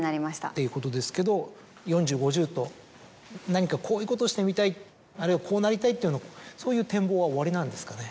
っていうことですけど４０５０と何かこういうことをしてみたいあるいはこうなりたいそういう展望はおありなんですかね？